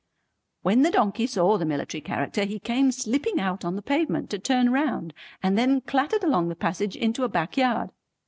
When the donkey saw the military character he came slipping out on the pavement to turn round and then clattered along the passage into a back yard.